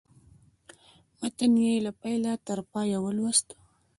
متن یې له پیله تر پایه ولوست.